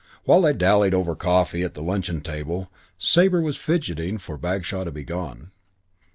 While they dallied over coffee at the luncheon table, Sabre was fidgeting for Bagshaw to be gone.